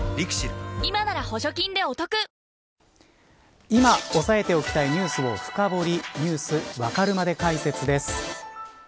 今なら補助金でお得今抑えておきたいニュースを深掘りＮｅｗｓわかるまで解説です。